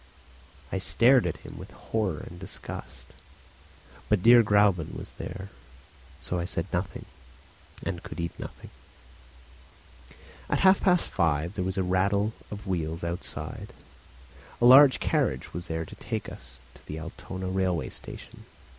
I stared at him with horror and disgust. But dear Gräuben was there; so I said nothing, and could eat nothing. At half past five there was a rattle of wheels outside. A large carriage was there to take us to the Altona railway station.